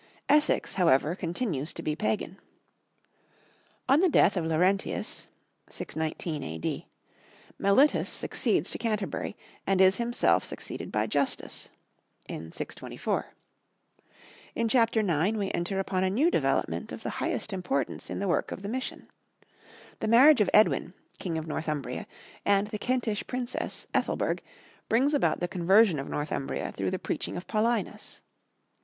Essex, however, continues to be pagan. On the death of Laurentius (619 A.D.), Mellitus succeeds to Canterbury and is himself succeeded by Justus (in 624). In Chapter 9 we enter upon a new development of the highest importance in the work of the mission. The marriage of Edwin, king of Northumbria, and the Kentish princess, Ethelberg, brings about the conversion of Northumbria through the preaching of Paulinus.